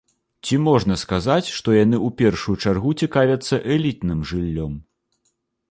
Ці можна сказаць, што яны ў першую чаргу цікавяцца элітным жыллём?